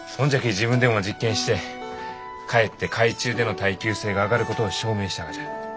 自分でも実験してかえって海中での耐久性が上がることを証明したがじゃ。